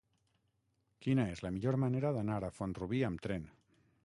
Quina és la millor manera d'anar a Font-rubí amb tren?